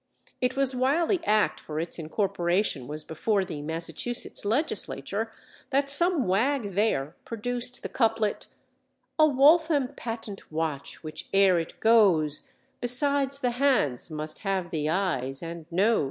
It was while the act for its incorporation was before the Massachusetts legislature that some wag there produced the couplet: "_A Waltham' 'patent' watch, which ere it goes Besides the 'hands' must have the 'ayes' and 'noes.